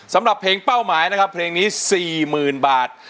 สำหรับเพลงเป้าหมายนะครับเพลงนี้๔๐๐๐บาท